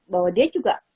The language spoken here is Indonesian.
bahwa dia juga